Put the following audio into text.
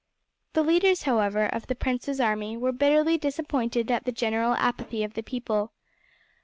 The leaders, however, of the prince's army were bitterly disappointed at the general apathy of the people.